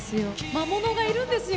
魔物がいるんですよ。